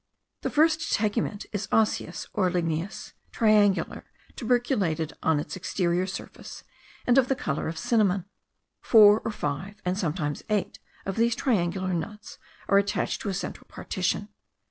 The first tegument is osseous or ligneous, triangular, tuberculated on its exterior surface, and of the colour of cinnamon. Four or five, and sometimes eight of these triangular nuts, are attached to a central partition.